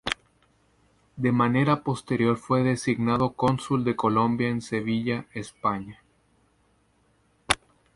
De manera posterior fue designado cónsul de Colombia en Sevilla, España.